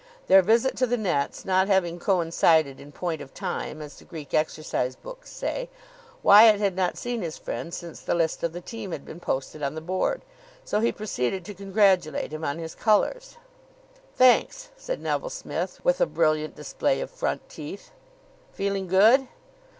Their visit to the nets not having coincided in point of time, as the Greek exercise books say, Wyatt had not seen his friend since the list of the team had been posted on the board, so he proceeded to congratulate him on his colours. "Thanks," said Neville Smith, with a brilliant display of front teeth. "Feeling good?"